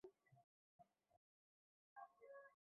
সেটাই আমরা সকলে জানি।